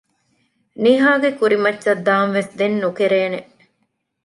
ނިހާގެ ކުރިމައްޗަށް ދާންވެސް ދެން ނުކެރޭނެ